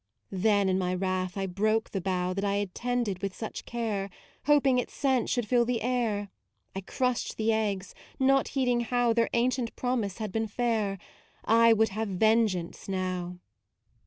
MAUDE 113 Then in my wrath I broke the bough That I had tended with such care, Hoping its scent should fill the air: I crushed the eggs, not heeding how Their ancient promise had been fair: I would have vengeance now.